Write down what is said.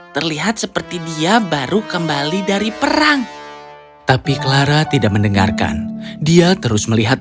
terlihat seperti dia baru kembali dari perang tapi clara tidak mendengarkan dia terus melihat